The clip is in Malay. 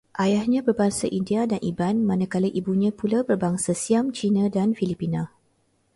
Ayahnya berbangsa India dan Iban, manakala ibunya pula berbangsa Siam, Cina dan Filipina